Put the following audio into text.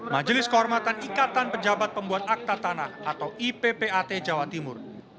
majelis kehormatan ikatan pejabat pembuat akta tanah atau ippat jawa timur